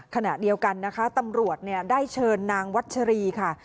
ขณะเดียวกันนะคะตำรวจได้เชิญนางวัชรีค่ะ